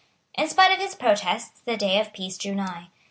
In spite of his protests the day of peace drew nigh.